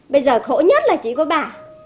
bây giờ khổ nhất là chỉ có bà